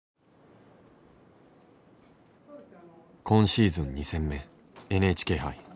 今シーズン２戦目ＮＨＫ杯。